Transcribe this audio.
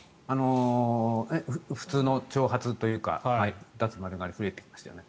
普通の長髪というか脱丸刈りが増えてきましたね。